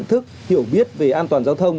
nhận thức hiểu biết về an toàn giao thông